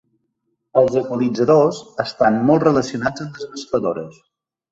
Els equalitzadors estan molt relacionats amb les mescladores.